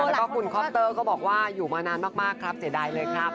แล้วก็คุณคอปเตอร์ก็บอกว่าอยู่มานานมากครับเสียดายเลยครับ